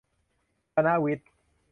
คณะวิทย์